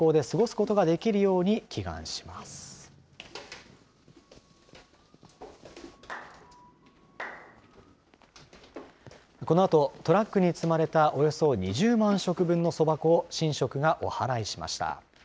このあと、トラックに積まれたおよそ２０万食分のそば粉を神職がおはらいしました。